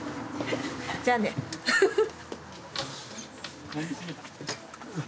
じゃあねフフッ。